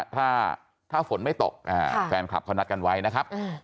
ถ้าฝนไม่ตกแฟนคลับเขานัดกันไว้นะครับ